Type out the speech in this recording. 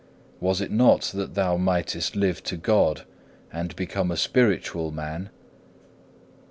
Was it not that thou mightest live to God and become a spiritual man?